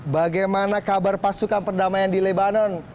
bagaimana kabar pasukan perdamaian di lebanon